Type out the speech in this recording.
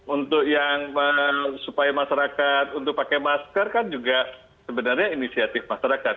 untuk yang supaya masyarakat untuk pakai masker kan juga sebenarnya inisiatif masyarakat